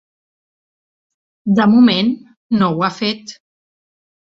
De moment, no ho ha fet.